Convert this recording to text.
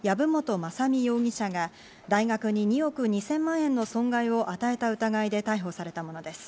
雅巳容疑者が大学に２億２０００万円の損害を与えた疑いで逮捕されたものです。